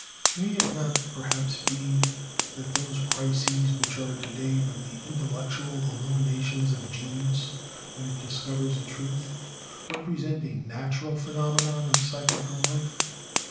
May it not perhaps be that those "crises," which are to day but the intellectual illuminations of genius when it discovers a truth, represent a natural phenomenon of psychical life?